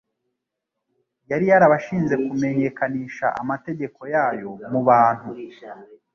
Yari yarabashinze kumenyekanisha amategeko yayo mu bantu,